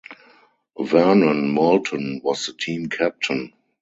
Vernon Moulton was the team captain.